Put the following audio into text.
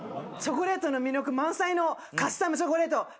チョコレートの魅力満載のカスタムチョコレート。